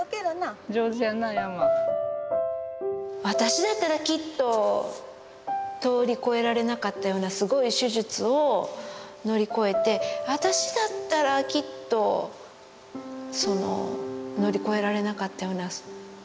私だったらきっと通りこえられなかったようなすごい手術を乗り越えて私だったらきっとその乗り越えられなかったような。